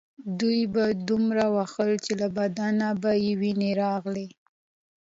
دوی به دومره واهه چې له بدن به یې وینې راغلې